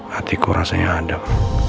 hatiku rasanya adem